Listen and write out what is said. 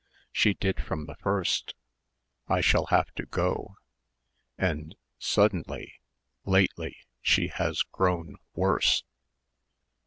She did from the first.... I shall have to go ... and suddenly, lately, she has grown worse....